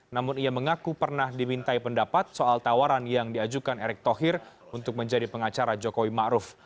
namun ia mengaku pernah dimintai pendapat soal tawaran yang diajukan erick thohir untuk menjadi pengacara jokowi ⁇ maruf ⁇